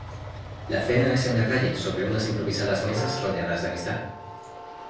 La cena es en la calle sobre unas improvisadas mesas rodeadas de amistad.